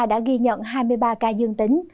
đã ghi nhận hai mươi ba ca dương tính